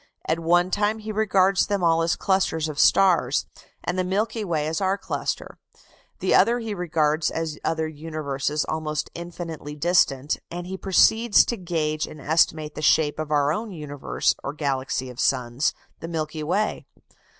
At one time he regards them all as clusters of stars, and the Milky Way as our cluster; the others he regards as other universes almost infinitely distant; and he proceeds to gauge and estimate the shape of our own universe or galaxy of suns, the Milky Way.